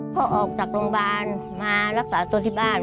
พอออกจากโรงพยาบาลมารักษาตัวที่บ้าน